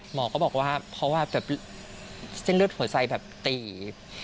หมอก็บอกว่าเพราะว่าแบบเส้นเลือดหัวใจแบบตีบ